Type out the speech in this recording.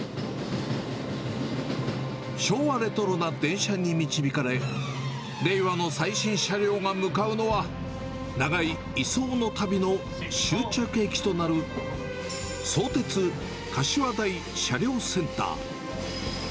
昭和レトロな電車に導かれ、令和の最新車両が向かうのは、長い移送の旅の終着駅となる相鉄かしわ台車両センター。